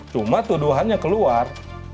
cuma tuduhannya keluar